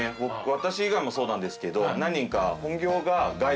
私以外もそうなんですけど何人か。